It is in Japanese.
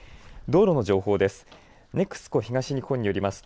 道路の情報です。